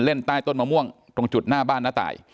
ใต้ต้นมะม่วงตรงจุดหน้าบ้านน้าตาย